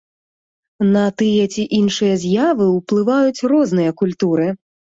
На тыя ці іншыя з'явы ўплываюць розныя культуры.